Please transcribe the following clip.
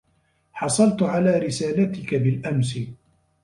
حصلتُ على رسالتك بالأمس.